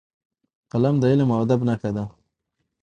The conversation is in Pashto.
قلم د علم او ادب نښه ده